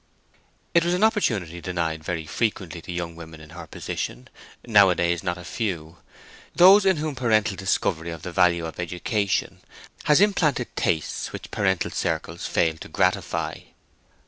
It was an opportunity denied very frequently to young women in her position, nowadays not a few; those in whom parental discovery of the value of education has implanted tastes which parental circles fail to gratify.